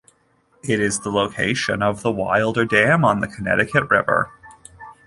It is the location of the Wilder Dam on the Connecticut River.